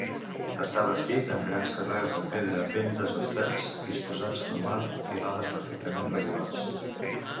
Està bastit amb grans carreus de pedra ben desbastats, disposats formant filades perfectament regulars.